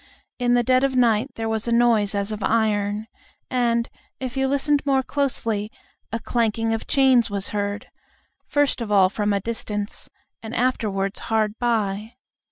In the dead of night there was a noise as of iron, and, if you listened more closely, a clanking of chains was heard, first of all from a distance, and afterwards hard by.